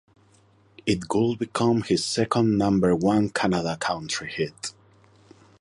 It would become his second Number One Canada Country hit.